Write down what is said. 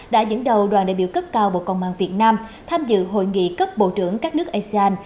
đã dẫn đầu đoàn đại biểu cấp cao bộ công an việt nam tham dự hội nghị cấp bộ trưởng các nước asean